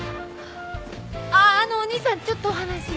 あっあのお兄さんちょっとお話が。